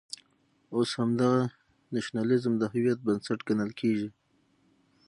اوس همدغه نېشنلېزم د هویت بنسټ ګڼل کېږي.